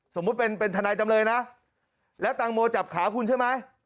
สมมุติเป็นเป็นทนายจำเลยนะแล้วแตงโมจับขาคุณใช่ไหม